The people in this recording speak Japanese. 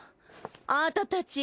あたたち